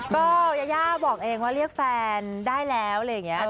ก็ยาย่าบอกเองว่าเรียกแฟนได้แล้วอะไรอย่างนี้